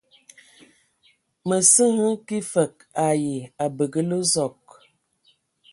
Mǝ sǝ hm kig fǝg ai abǝgǝlǝ Zɔg.